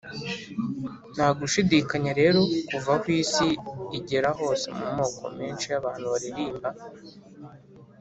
nta gushidikanya rero kuva aho isi igera hose mu moko menshi y’abantu baririmba